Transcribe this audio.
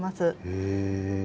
へえ。